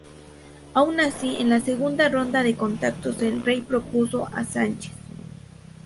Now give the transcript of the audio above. Aun así, en la segunda ronda de contactos, el rey propuso a Sánchez.